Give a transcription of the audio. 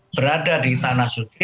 berada di tanah suci